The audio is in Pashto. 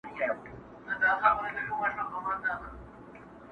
څومره ترخه مي وه ګڼلې، څه آسانه سوله،